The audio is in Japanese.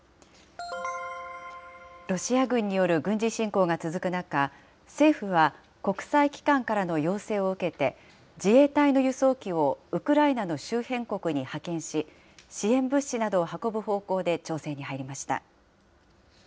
ロシア軍による軍事侵攻が続く中、政府は、国際機関からの要請を受けて、自衛隊の輸送機をウクライナの周辺国に派遣し、支援物資などを運ぶ方向で調整に入りました。